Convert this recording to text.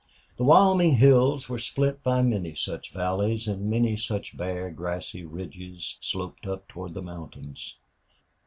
The Wyoming hills were split by many such valleys and many such bare, grassy ridges sloped up toward the mountains.